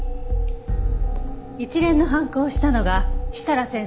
一連の犯行をしたのが設楽先生である事も。